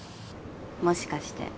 もしかして。